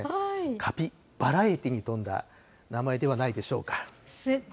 カピバラエティーに富んだ名前ではないでしょうか。